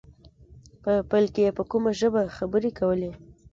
په پيل کې يې په کومه ژبه خبرې کولې.